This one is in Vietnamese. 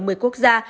ở một mươi quốc gia